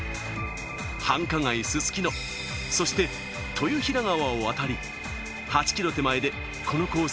繁華街、すすきの、そして豊平川を渡り、８キロ手前でこのコース